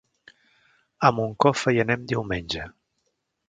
A Moncofa hi anem diumenge.